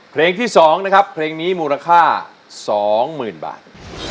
เพลงที่๒นะครับเพลงนี้มูลค่า๒๐๐๐บาท